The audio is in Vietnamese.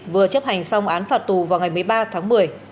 vừa chấp hành xong án phạt tù vào ngày một mươi ba tháng một mươi